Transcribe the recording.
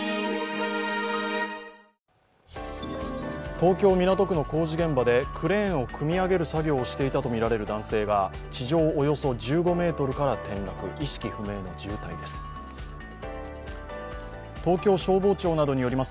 東京・港区の工事現場でクレーンを組み上げる作業をしていたとみられる男性が地上およそ１５ｍから転落し、意識不明の重体です。